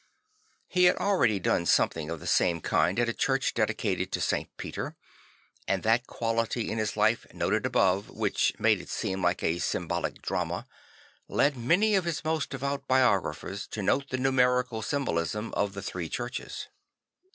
He had already done something of the same kind at a church dedicated to St. Peter; and that quality in his life noted above, which made it seem like a symbolical drama, led many of his most devout biographers to note the numerical symbolism of the three churches.